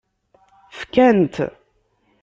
Fkan-t.